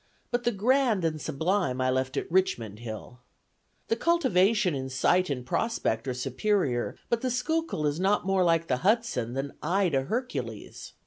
But the grand and sublime I left at Richmond Hill. The cultivation in sight and prospect are superior, but the Schuylkill is not more like the Hudson, than I to Hercules.